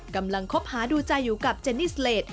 กำลังคบหาดูใจอยู่กับเจนิสเลท